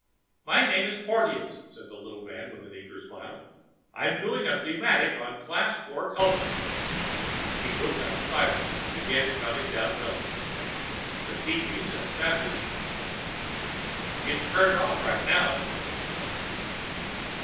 "My name is Porteous," said the little man with an eager smile. "I'm doing a thematic on Class IV cultures." He whipped out a stylus, began jotting down notes. The TV set fascinated him. "It's turned off right now," Melinda said.